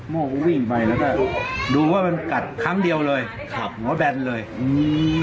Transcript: โม่ก็วิ่งไปแล้วก็ดูว่ามันกัดครั้งเดียวเลยครับหัวแบนเลยอืม